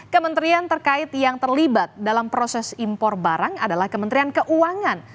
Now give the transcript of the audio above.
kementerian terkait yang terlibat dalam proses impor barang adalah kementerian keuangan